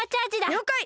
りょうかい！